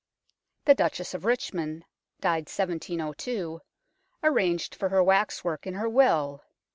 The Duchess of Richmond (died 1702) ar ranged for her waxwork in her will.